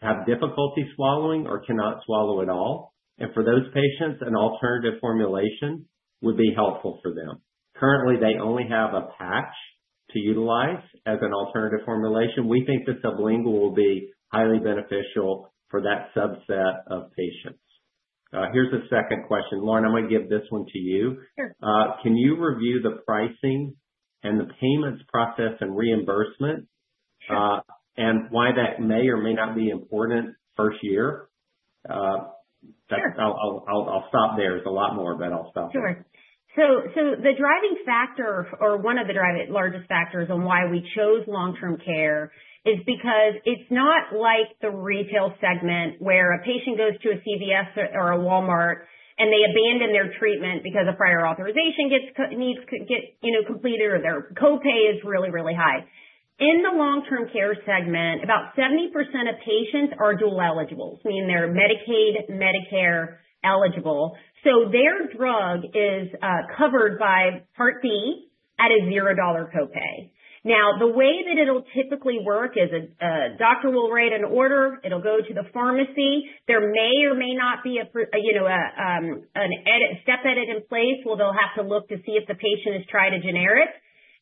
have difficulty swallowing or cannot swallow at all. And for those patients, an alternative formulation would be helpful for them. Currently, they only have a patch to utilize as an alternative formulation. We think the sublingual will be highly beneficial for that subset of patients. Here's the second question. Lauren, I'm going to give this one to you. Can you review the pricing and the payments process and reimbursement and why that may or may not be important first year? I'll stop there. There's a lot more, but I'll stop there. Sure. So the driving factor, or one of the largest factors on why we chose long-term care, is because it's not like the retail segment where a patient goes to a CVS or a Walmart and they abandon their treatment because a prior authorization needs to get completed or their copay is really, really high. In the long-term care segment, about 70% of patients are dual eligibles, meaning they're Medicaid, Medicare eligible. So their drug is covered by Part D at a $0 copay. Now, the way that it'll typically work is a doctor will write an order. It'll go to the pharmacy. There may or may not be a step edit in place. Well, they'll have to look to see if the patient has tried a generic.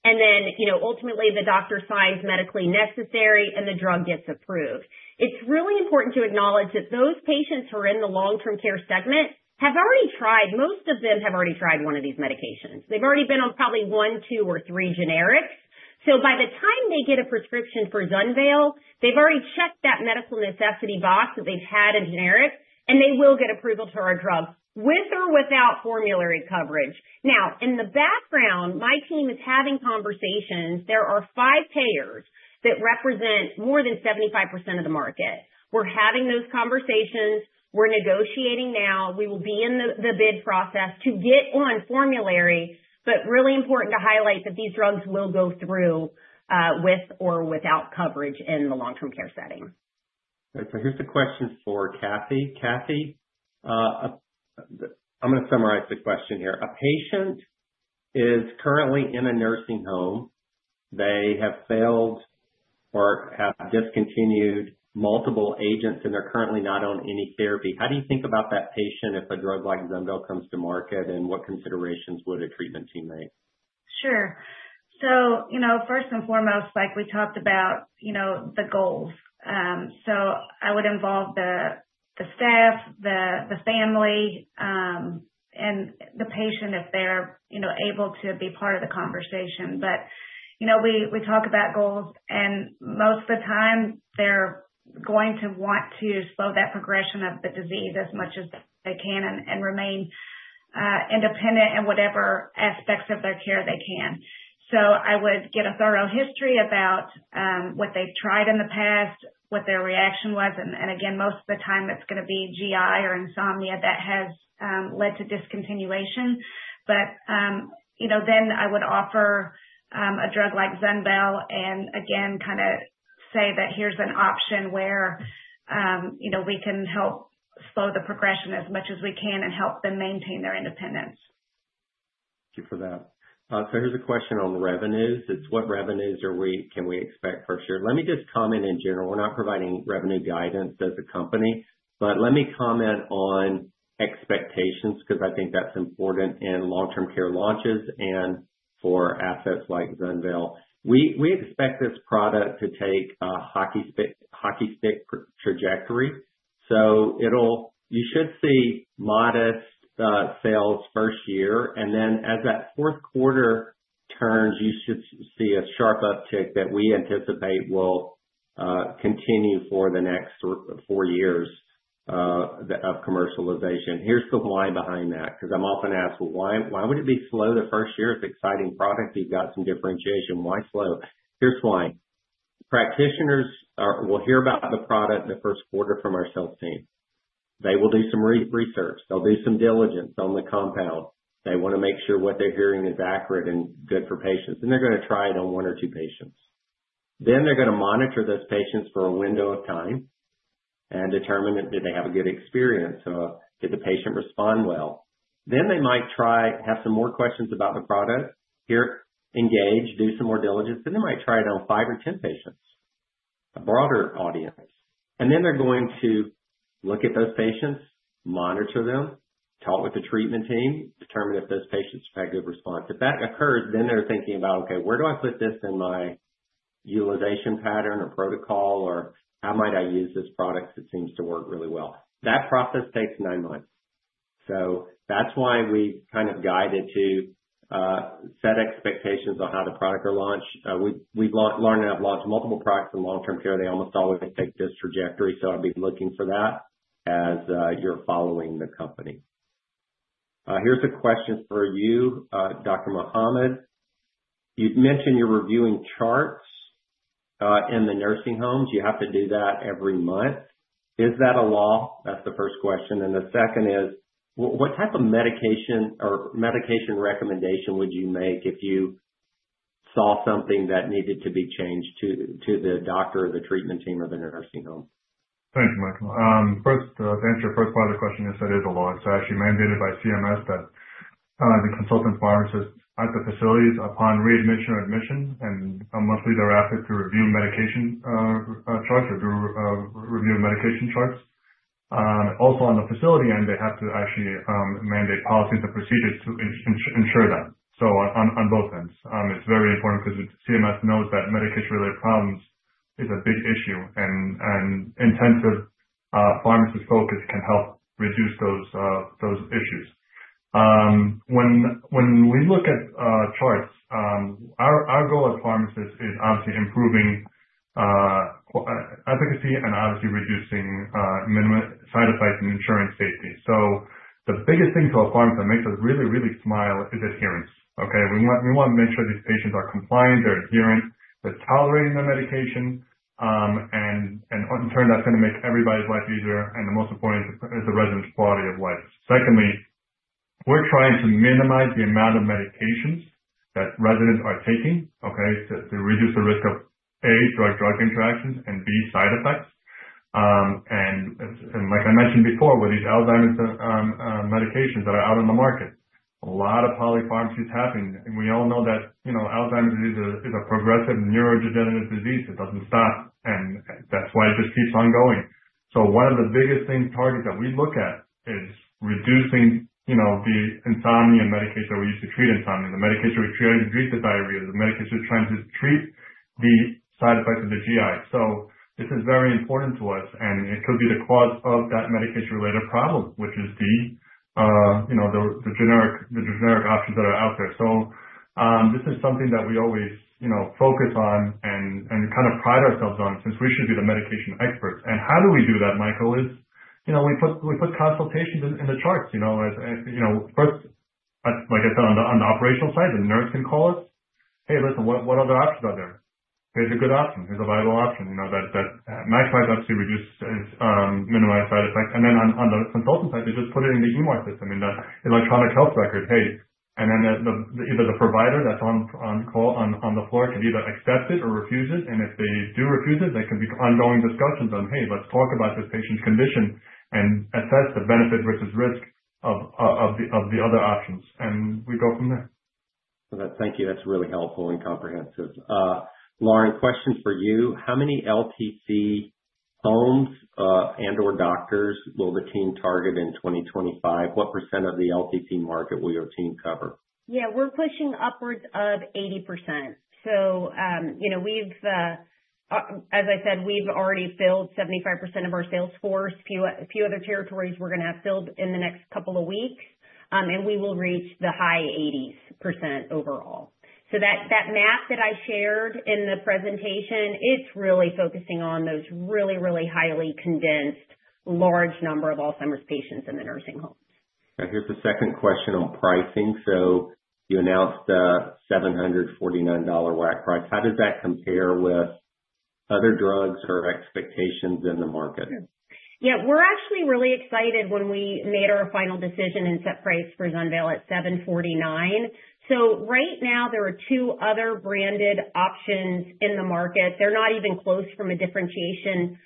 And then ultimately, the doctor signs medically necessary, and the drug gets approved. It's really important to acknowledge that those patients who are in the long-term care segment have already tried. Most of them have already tried one of these medications. They've already been on probably one, two, or three generics. So by the time they get a prescription for ZUNVEYL, they've already checked that medical necessity box that they've had in generic, and they will get approval to our drug with or without formulary coverage. Now, in the background, my team is having conversations. There are five payers that represent more than 75% of the market. We're having those conversations. We're negotiating now. We will be in the bid process to get on formulary, but really important to highlight that these drugs will go through with or without coverage in the long-term care setting. Here's the question for Cathy. Cathy, I'm going to summarize the question here. A patient is currently in a nursing home. They have failed or have discontinued multiple agents, and they're currently not on any therapy. How do you think about that patient if a drug like ZUNVEYL comes to market, and what considerations would a treatment team make? Sure. So first and foremost, like we talked about, the goals. So I would involve the staff, the family, and the patient if they're able to be part of the conversation. But we talk about goals, and most of the time, they're going to want to slow that progression of the disease as much as they can and remain independent in whatever aspects of their care they can. So I would get a thorough history about what they've tried in the past, what their reaction was. And again, most of the time, it's going to be GI or insomnia that has led to discontinuation. But then I would offer a drug like ZUNVEYL and again, kind of say that here's an option where we can help slow the progression as much as we can and help them maintain their independence. Thank you for that. So here's a question on revenues. It's, what revenues can we expect first year? Let me just comment in general. We're not providing revenue guidance as a company, but let me comment on expectations because I think that's important in long-term care launches and for assets like ZUNVEYL. We expect this product to take a hockey stick trajectory. So you should see modest sales first year. And then as that fourth quarter turns, you should see a sharp uptick that we anticipate will continue for the next four years of commercialization. Here's the why behind that because I'm often asked, well, why would it be slow the first year? It's an exciting product. You've got some differentiation. Why slow? Here's why. Practitioners will hear about the product the first quarter from our sales team. They will do some research. They'll do some diligence on the compound. They want to make sure what they're hearing is accurate and good for patients. And they're going to try it on one or two patients. Then they're going to monitor those patients for a window of time and determine that they have a good experience. Did the patient respond well? Then they might try to have some more questions about the product, engage, do some more diligence, and they might try it on five or ten patients, a broader audience. And then they're going to look at those patients, monitor them, talk with the treatment team, determine if those patients have had good response. If that occurs, then they're thinking about, okay, where do I put this in my utilization pattern or protocol, or how might I use this product that seems to work really well? That process takes nine months. So that's why we kind of guide it to set expectations on how the product will launch. We've learned to have launched multiple products in long-term care. They almost always take this trajectory. So I'd be looking for that as you're following the company. Here's a question for you, Dr. Mohamed. You mentioned you're reviewing charts in the nursing homes. You have to do that every month. Is that a law? That's the first question. And the second is, what type of medication or medication recommendation would you make if you saw something that needed to be changed to the doctor or the treatment team or the nursing home? Thank you, Michael. To answer your first part of the question, yes, it is a law. It's actually mandated by CMS that the consultant pharmacist at the facilities, upon readmission or admission, and monthly, they're asked to review medication charts. Also, on the facility end, they have to actually mandate policies and procedures to ensure that. So on both ends, it's very important because CMS knows that medication-related problems are a big issue, and intensive pharmacist focus can help reduce those issues. When we look at charts, our goal as pharmacists is obviously improving efficacy and obviously reducing side effects and ensuring safety. So the biggest thing to a pharmacist that makes us really, really smile is adherence. Okay? We want to make sure these patients are compliant, they're adherent, they're tolerating their medication. And in turn, that's going to make everybody's life easier. The most important is the resident's quality of life. Secondly, we're trying to minimize the amount of medications that residents are taking, okay, to reduce the risk of, A, drug-drug interactions, and B, side effects. Like I mentioned before, with these Alzheimer's medications that are out on the market, a lot of polypharmacy is happening. We all know that Alzheimer's is a progressive neurodegenerative disease. It doesn't stop, and that's why it just keeps on going. One of the biggest things, targets that we look at is reducing the insomnia medication that we use to treat insomnia, the medication we treat the diarrhea, the medication we're trying to treat the side effects of the GI. This is very important to us, and it could be the cause of that medication-related problem, which is the generic options that are out there. So this is something that we always focus on and kind of pride ourselves on since we should be the medication experts. And how do we do that, Michael? We put consultations in the charts. First, like I said, on the operational side, the nurse can call us, "Hey, listen, what other options are there? Here's a good option. Here's a viable option." That maximizes obviously reduces and minimizes side effects. And then on the consultant side, they just put it in the eMAR system, in the electronic health record, "Hey." And then either the provider that's on the floor can either accept it or refuse it. And if they do refuse it, there can be ongoing discussions on, "Hey, let's talk about this patient's condition and assess the benefit versus risk of the other options." And we go from there. Thank you. That's really helpful and comprehensive. Lauren, question for you. How many LTC homes and/or doctors will the team target in 2025? What % of the LTC market will your team cover? Yeah, we're pushing upwards of 80%. So as I said, we've already filled 75% of our sales force. A few other territories we're going to have filled in the next couple of weeks, and we will reach the high 80% overall. So that map that I shared in the presentation, it's really focusing on those really, really highly condensed, large number of Alzheimer's patients in the nursing homes. And here's the second question on pricing. So you announced the $749 WAC price. How does that compare with other drugs or expectations in the market? Yeah, we're actually really excited when we made our final decision and set price for ZUNVEYL at $749. So right now, there are two other branded options in the market. They're not even close from a differentiation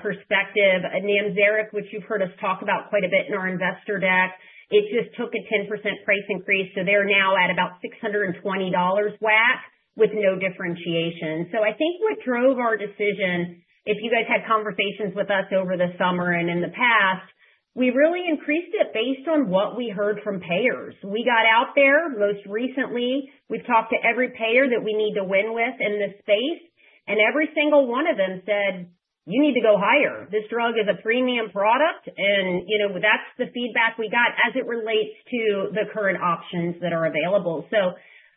perspective. Namzaric, which you've heard us talk about quite a bit in our investor deck, it just took a 10% price increase. So they're now at about $620 WAC with no differentiation. So I think what drove our decision, if you guys had conversations with us over the summer and in the past, we really increased it based on what we heard from payers. We got out there most recently. We've talked to every payer that we need to win with in this space, and every single one of them said, "You need to go higher. This drug is a premium product," and that's the feedback we got as it relates to the current options that are available. So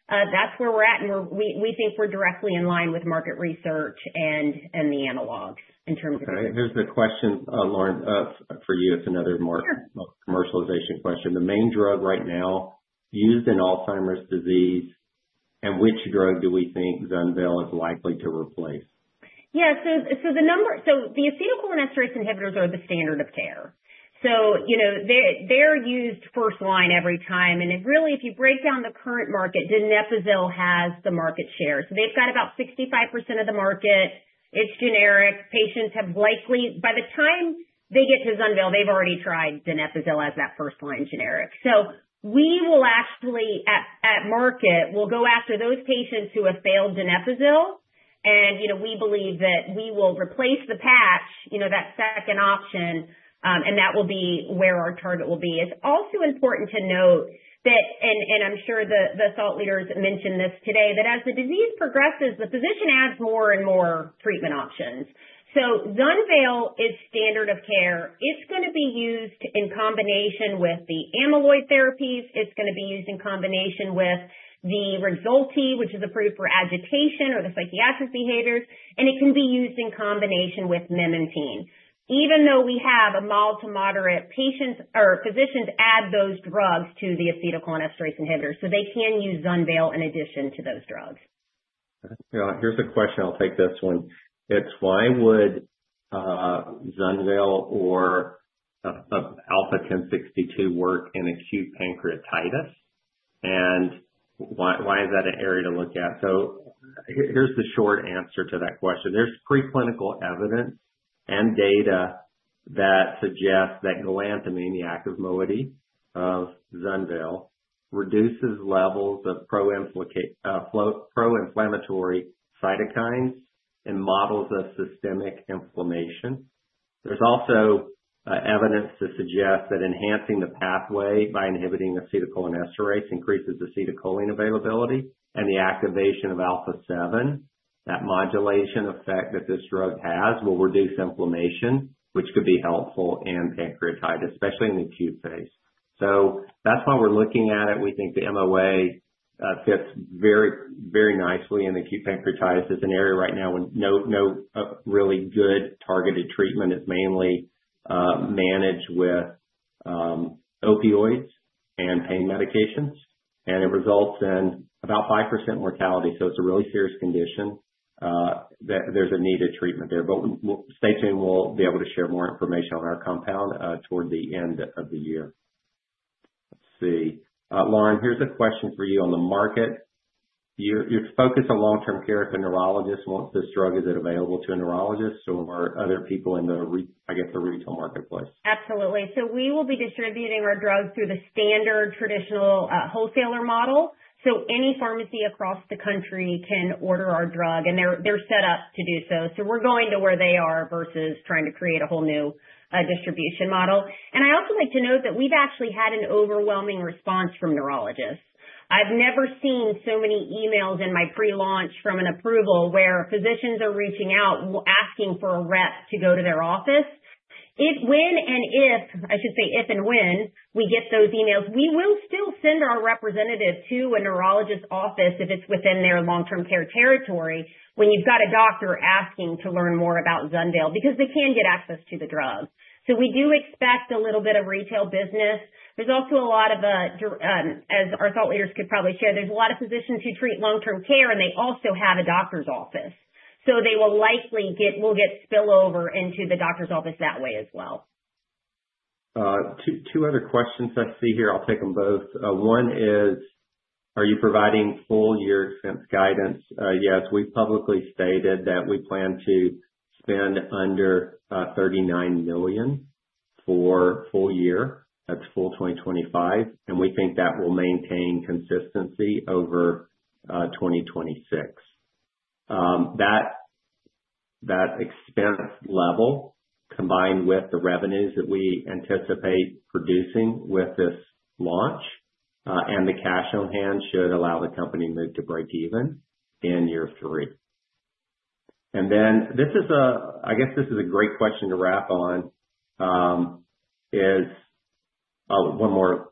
that's where we're at, and we think we're directly in line with market research and the analogs in terms of. Here's the question, Lauren, for you. It's another market commercialization question. The main drug right now used in Alzheimer's disease, and which drug do we think ZUNVEYL is likely to replace? Yeah. So the acetylcholinesterase inhibitors are the standard of care. So they're used first line every time. And really, if you break down the current market, donepezil has the market share. So they've got about 65% of the market. It's generic. Patients have likely, by the time they get to ZUNVEYL, they've already tried donepezil as that first-line generic. So we will actually, at market, we'll go after those patients who have failed donepezil, and we believe that we will replace the patch, that second option, and that will be where our target will be. It's also important to note that, and I'm sure the thought leaders mentioned this today, that as the disease progresses, the physician adds more and more treatment options. So ZUNVEYL is standard of care. It's going to be used in combination with the amyloid therapies. It's going to be used in combination with the Rexulti, which is approved for agitation or the psychiatric behaviors. And it can be used in combination with memantine. Even though we have a mild to moderate patient or physicians add those drugs to the acetylcholinesterase inhibitors, so they can use ZUNVEYL in addition to those drugs. Here's a question. I'll take this one. It's, why would ZUNVEYL or Alpha-1062 work in acute pancreatitis? And why is that an area to look at? So here's the short answer to that question. There's preclinical evidence and data that suggests that galantamine and active moiety of ZUNVEYL reduces levels of pro-inflammatory cytokines and models of systemic inflammation. There's also evidence to suggest that enhancing the pathway by inhibiting acetylcholinesterase increases acetylcholine availability and the activation of alpha-7. That modulation effect that this drug has will reduce inflammation, which could be helpful in pancreatitis, especially in the acute phase. So that's why we're looking at it. We think the MOA fits very nicely in acute pancreatitis. It's an area right now where no really good targeted treatment. It's mainly managed with opioids and pain medications, and it results in about 5% mortality. So it's a really serious condition. There's a needed treatment there. But stay tuned. We'll be able to share more information on our compound toward the end of the year. Let's see. Lauren, here's a question for you on the market. You focus on long-term care if a neurologist wants this drug. Is it available to a neurologist or other people in, I guess, the retail marketplace? Absolutely. So we will be distributing our drugs through the standard traditional wholesaler model. So any pharmacy across the country can order our drug, and they're set up to do so. So we're going to where they are versus trying to create a whole new distribution model. And I also like to note that we've actually had an overwhelming response from neurologists. I've never seen so many emails in my pre-launch from an approval where physicians are reaching out, asking for a rep to go to their office. When and if, I should say if and when, we get those emails, we will still send our representative to a neurologist's office if it's within their long-term care territory when you've got a doctor asking to learn more about ZUNVEYL because they can get access to the drug. So we do expect a little bit of retail business. There's also a lot of, as our thought leaders could probably share, there's a lot of physicians who treat long-term care, and they also have a doctor's office. So they will likely get spillover into the doctor's office that way as well. Two other questions I see here. I'll take them both. One is, are you providing full-year expense guidance? Yes. We've publicly stated that we plan to spend under $39 million for full year. That's full 2025. And we think that will maintain consistency over 2026. That expense level, combined with the revenues that we anticipate producing with this launch and the cash on hand, should allow the company to move to break even in year three. And then this is a, I guess this is a great question to wrap on. One more.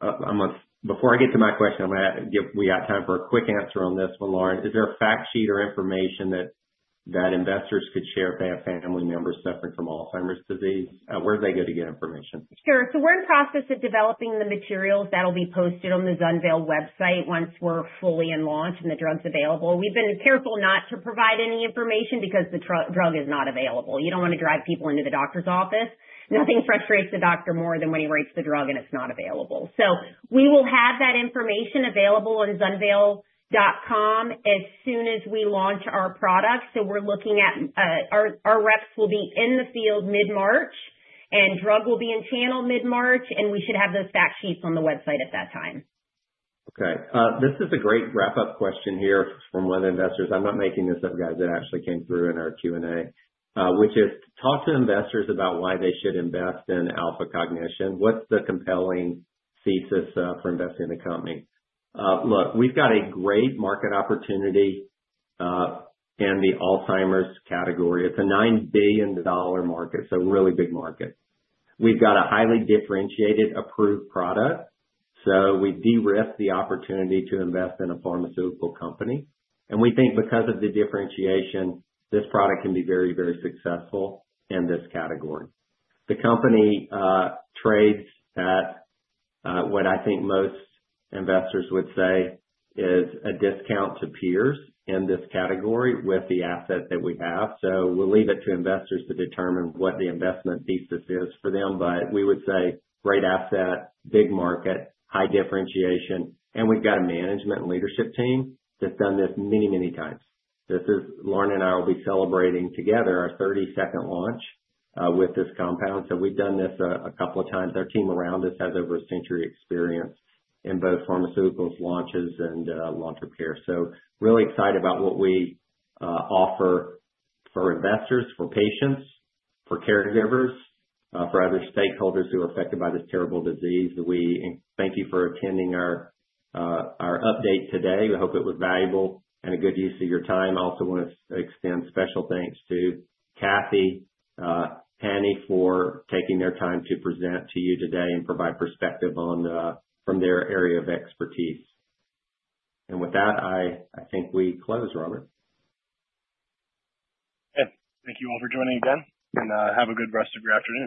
Before I get to my question, we got time for a quick answer on this one, Lauren. Is there a fact sheet or information that investors could share if they have family members suffering from Alzheimer's disease? Where do they go to get information? Sure. So we're in process of developing the materials that'll be posted on the ZUNVEYL website once we're fully in launch and the drug's available. We've been careful not to provide any information because the drug is not available. You don't want to drive people into the doctor's office. Nothing frustrates the doctor more than when he rates the drug and it's not available. So we will have that information available on ZUNVEYL.com as soon as we launch our product. So we're looking at our reps will be in the field mid-March, and drug will be in channel mid-March, and we should have those fact sheets on the website at that time. Okay. This is a great wrap-up question here from one of the investors. I'm not making this up, guys. It actually came through in our Q&A, which is, "talk to investors about why they should invest in Alpha Cognition." What's the compelling thesis for investing in the company? Look, we've got a great market opportunity in the Alzheimer's category. It's a $9 billion market, so a really big market. We've got a highly differentiated approved product. So we de-risk the opportunity to invest in a pharmaceutical company. And we think because of the differentiation, this product can be very, very successful in this category. The company trades at what I think most investors would say is a discount to peers in this category with the asset that we have. So we'll leave it to investors to determine what the investment thesis is for them. But we would say great asset, big market, high differentiation. And we've got a management and leadership team that's done this many, many times. This is, Lauren and I will be celebrating together our 32nd launch with this compound. So we've done this a couple of times. Our team around us has over a century experience in both pharmaceuticals, launches, and long-term care. So really excited about what we offer for investors, for patients, for caregivers, for other stakeholders who are affected by this terrible disease. We thank you for attending our update today. We hope it was valuable and a good use of your time. I also want to extend special thanks to Cathy, Penny, for taking their time to present to you today and provide perspective from their area of expertise. And with that, I think we close, Robert. Thank you all for joining again, and have a good rest of your afternoon.